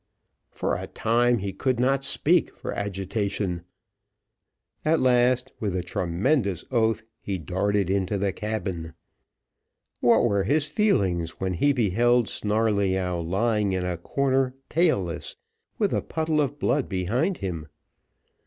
For a time he could not speak for agitation; at last, with a tremendous oath, he darted into the cabin. What were his feelings when he beheld Snarleyyow lying in a corner tailless, with a puddle of blood behind him.